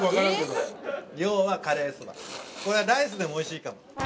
これはライスでもおいしいかも。